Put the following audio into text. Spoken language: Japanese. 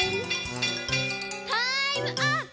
タイムアップ！